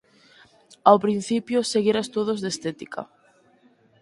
Ao principio seguira estudos de estética.